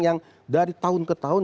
yang dari tahun ke tahun